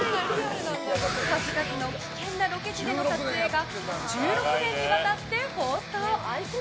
数々の危険なロケ地での撮影が１６年にわたって放送。